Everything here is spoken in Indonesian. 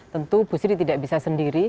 tentu bu sri tidak bisa sendiri